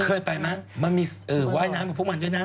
เคยไปไหมมันมีว่ายน้ำกับพวกมันด้วยนะ